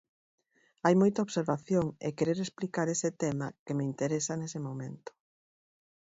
Hai moita observación e querer explicar ese tema que me interesa nese momento.